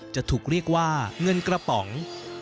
จะถูกเรียกว่าเงินกระป๋อง